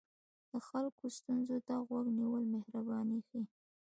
د خلکو ستونزو ته غوږ نیول مهرباني ښيي.